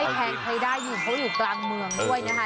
แพงใครได้ยินเพราะอยู่กลางเมืองด้วยนะคะ